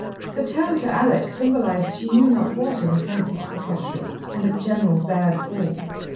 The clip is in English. The term, to Alex, symbolized she knew not what of offensive coquetry, and of general "bad form."